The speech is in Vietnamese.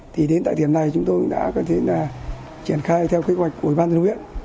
thì đến tại tiệm này chúng tôi đã có thể là triển khai theo kế hoạch của bản thân huyện